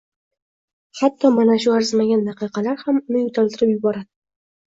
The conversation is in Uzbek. Hatto mana shu arzimagan daqiqalar ham uni yo`taltirib yuboradi